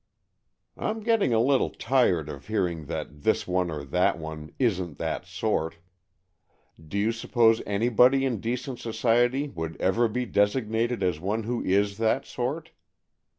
"I'm getting a little tired of hearing that this one or that one 'isn't that sort.' Do you suppose anybody in decent society would ever be designated as one who is that sort?